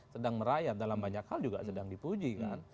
sedang merayat dalam banyak hal juga sedang dipuji kan